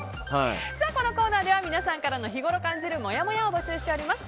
このコーナーでは皆さんからの日ごろ感じるもやもやを募集します。